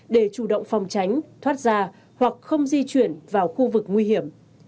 để chủ động phòng tránh thoát ra hoặc không di chuyển vào khu vực nguy hiểm